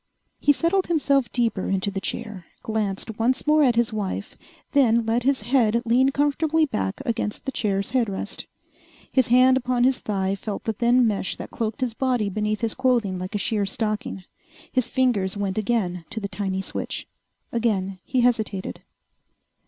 He settled himself deeper into the chair, glanced once more at his wife, then let his head lean comfortably back against the chair's headrest. His hand upon his thigh felt the thin mesh that cloaked his body beneath his clothing like a sheer stocking. His fingers went again to the tiny switch. Again he hesitated.